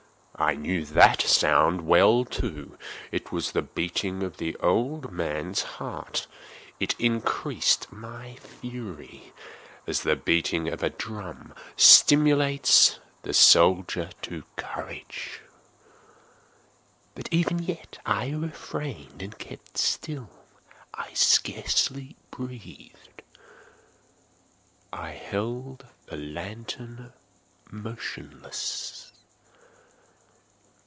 I knew that sound well, too. It was the beating of the old man's heart. It increased my fury, as the beating of a drum stimulates the soldier into courage. But even yet I refrained and kept still. I scarcely breathed. I held the lantern motionless.